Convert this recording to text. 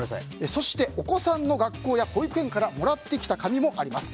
そして、お子さんの学校や保育園からもらってきた紙もあります。